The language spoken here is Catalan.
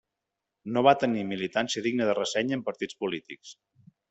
No va tenir militància digna de ressenya en partits polítics.